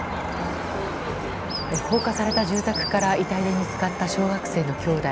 放火された住宅から遺体で見つかった小学生の兄弟。